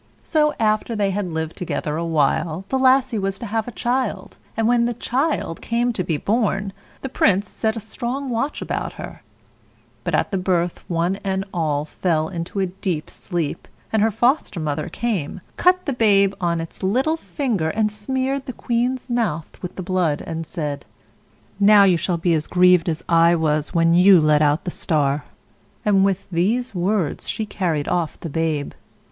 So after they had lived together a while, the Lassie was to have a child, and when the child came to be born, the Prince set a strong watch about her; but at the birth one and all fell into a deep sleep, and her Foster mother came, cut the babe on its little finger, and smeared the queen's mouth with the blood; and said: "Now you shall be as grieved as I was when you let out the star;" and with these words she carried off the babe.